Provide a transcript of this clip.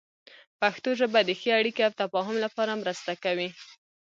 پښتو ژبه د ښې اړیکې او تفاهم لپاره مرسته کوي.